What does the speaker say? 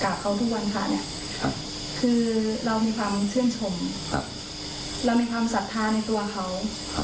เขาทุกวันพระเนี่ยคือเรามีความชื่นชมครับเรามีความศรัทธาในตัวเขา